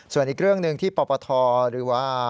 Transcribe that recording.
ส่วนอีกเรื่องหนึ่งที่ปปทหรือว่า